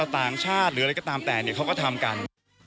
ต่างชาติหรืออะไรก็ตามแต่เขาก็ทำกัน